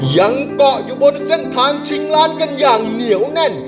ยังเกาะอยู่บนเส้นทางชิงล้านกันอย่างเหนียวแน่น